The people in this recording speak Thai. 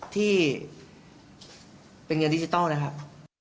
ที่เป็นเงินดิจิทัลนะครับ